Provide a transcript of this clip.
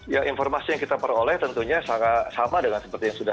ya informasi yang kita peroleh tentunya sama dengan seperti yang sudah